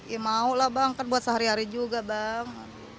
ya maulah bang kan buat sehari hari juga bang